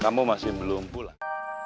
kamu masih belum pulang